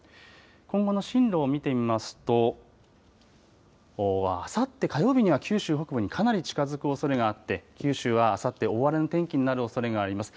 今後の進路を見てみますと、あさって火曜日には九州北部にかなり近づくおそれがあって九州はあさって大荒れの天気になるおそれがあります。